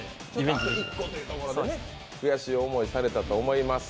あと１個ということで悔しい思いをされたと思います。